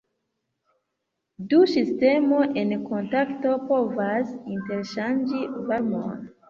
Du sistemoj en kontakto povas interŝanĝi varmon.